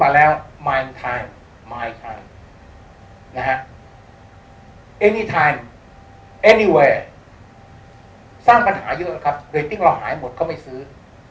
เรติ้งเราหายหมดก็ไม่ซื้อ